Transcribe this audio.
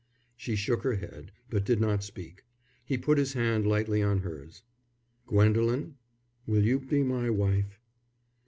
She shook her head, but did not speak. He put his hand lightly on hers. "Gwendolen, will you be my wife?"